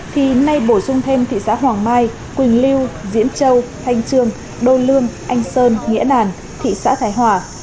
thì nay bổ sung thêm thị xã hoàng mai quỳnh lưu diễn châu thanh trương đô lương anh sơn nghĩa đàn thị xã thái hòa